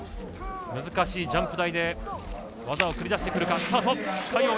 難しいジャンプ台で技を繰り出してくるか。